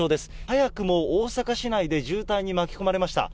早くも大阪市内で渋滞に巻き込まれました。